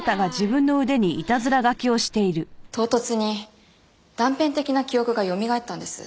唐突に断片的な記憶がよみがえったんです。